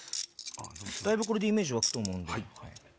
だいぶこれでイメージ湧くと思うんで。